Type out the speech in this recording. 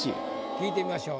聞いてみましょう。